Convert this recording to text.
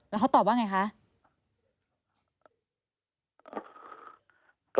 แล้วเขาตอบว่าไงคะ